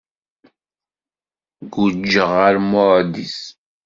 Guǧǧeɣ ɣer Muɛdis.